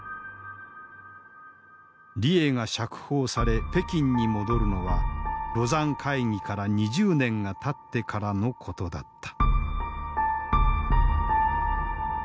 李鋭が釈放され北京に戻るのは廬山会議から２０年がたってからのことだった。